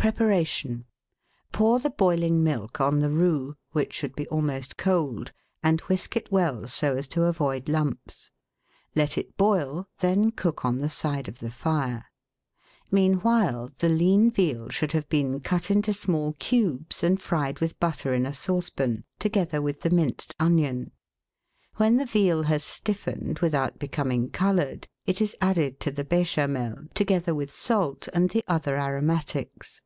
Preparation. — Pour the boiling milk on the roux, which should be almost cold, and whisk it well so as to avoid lumps. Let it boil, then cook on the side of the fire. Meanwhile the lean veal should have been cut into small cubes, and fried with butter in a saucepan, together with the minced onion. When the veal has stiffened without becoming coloured, it is added to the Bechamel, together with salt and the other aro matics.